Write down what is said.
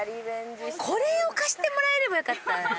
これを貸してもらえればよかったな。